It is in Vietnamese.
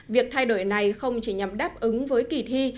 việc thay đổi này không chỉ nhằm đáp ứng với kỳ thi